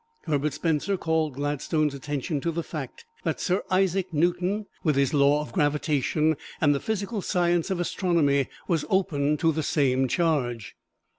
Herbert Spencer called Gladstone's attention to the fact that Sir Isaac Newton, with his law of gravitation and the physical science of astronomy, was open to the same charge.